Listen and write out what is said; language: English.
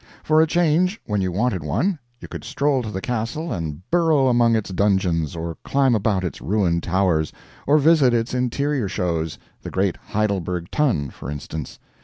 For a change, when you wanted one, you could stroll to the Castle, and burrow among its dungeons, or climb about its ruined towers, or visit its interior shows the great Heidelberg Tun, for instance.